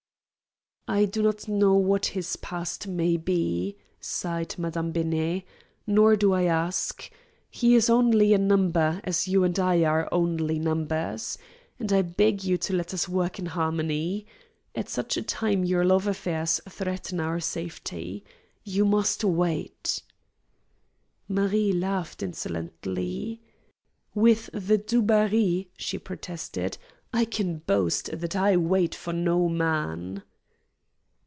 "I do not know what his past may be," sighed Madame Benet, "nor do I ask. He is only a number, as you and I are only numbers. And I beg you to let us work in harmony. At such a time your love affairs threaten our safety. You must wait." Marie laughed insolently. "With the Du Barry," she protested, "I can boast that I wait for no man."